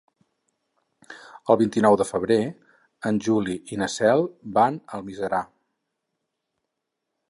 El vint-i-nou de febrer en Juli i na Cel van a Almiserà.